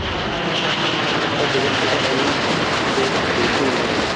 তবে এটা এমন না যে দেখেই বোঝা যাবে।